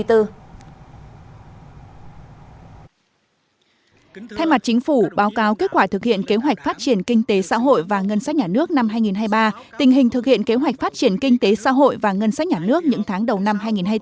thay mặt chính phủ báo cáo kết quả thực hiện kế hoạch phát triển kinh tế xã hội và ngân sách nhà nước năm hai nghìn hai mươi ba tình hình thực hiện kế hoạch phát triển kinh tế xã hội và ngân sách nhà nước những tháng đầu năm hai nghìn hai mươi bốn